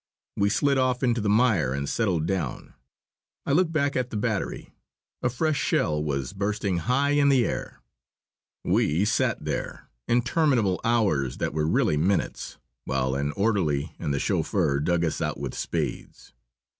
We slid off into the mire and settled down. I looked back at the battery. A fresh shell was bursting high in the air. We sat there, interminable hours that were really minutes, while an orderly and the chauffeur dug us out with spades.